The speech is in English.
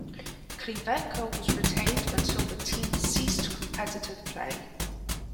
Klivecka was retained until the team ceased competitive play.